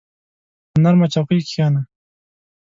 په نرمه چوکۍ کښېنه.